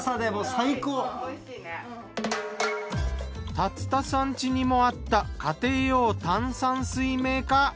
竜田さん家にもあった家庭用炭酸水メーカー。